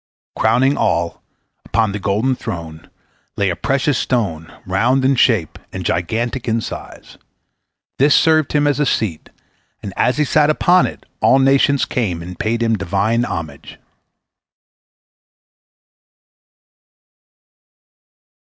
Crowning all, upon the golden throne, lay a precious stone, round in shape and gigantic in size. This served him as a seat, and as he sate upon it, all nations came and paid him Divine homage.